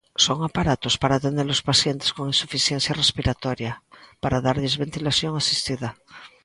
Son aparatos para atender os pacientes con insuficiencia respiratoria, para darlles ventilación asistida.